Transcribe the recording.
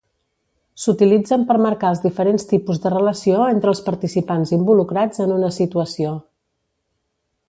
S'utilitzen per marcar els diferents tipus de relació entre els participants involucrats en una situació.